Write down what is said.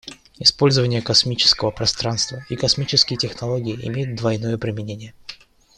Использование космического пространства и космические технологии имеют двойное применение.